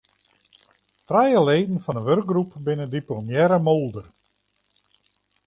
Trije leden fan de wurkgroep binne diplomearre moolder.